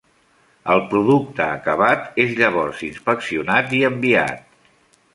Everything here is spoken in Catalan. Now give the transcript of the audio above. El producte acabat és llavors inspeccionat i enviat.